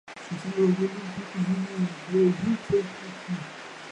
Su tío abuelo fue el expresidente de Corea del Sur, Park Chung-hee.